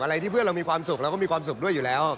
อะไรที่เพื่อนเรามีความสุขเราก็มีความสุขด้วยอยู่แล้ว